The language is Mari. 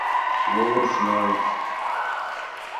Волостной.